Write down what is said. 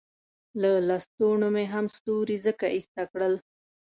له لستوڼو مې هم ستوري ځکه ایسته کړل.